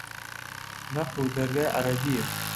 نەحوو دەرگای عەرەبییە